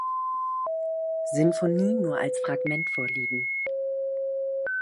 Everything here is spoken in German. Sinfonie nur als Fragment vorliegen.